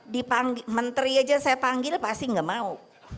dipanggil menteri aja saya panggil pasti nggak mau